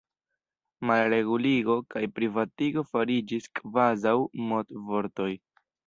Malreguligo kaj privatigo fariĝis kvazaŭ modvortoj.